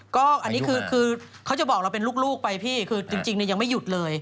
ก็อันนี้คือเขาจะบอกเราเป็นลูกไปพี่คือจริงยังไม่หยุดเลย